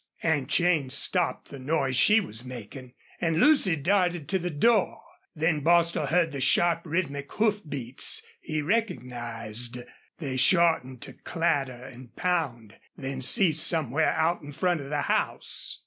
Aunt Jane stopped the noise she was making, and Lucy darted to the door. Then Bostil heard the sharp, rhythmic hoof beats he recognized. They shortened to clatter and pound then ceased somewhere out in front of the house.